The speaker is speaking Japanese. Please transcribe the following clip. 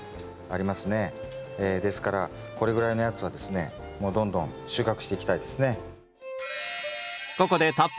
ですからこれぐらいのやつはですねもうどんどん収穫していきたいですね。